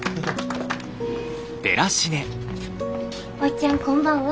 おっちゃんこんばんは。